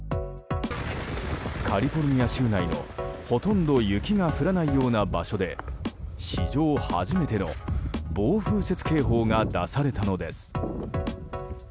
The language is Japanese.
カリフォルニア州内のほとんど雪が降らないような場所で史上初めての暴風雪警報が出されたのです。